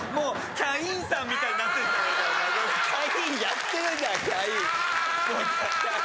キャインやってるじゃんああああ！